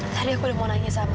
tadi aku udah mau nanya sama